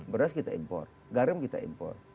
beras kita impor garam kita impor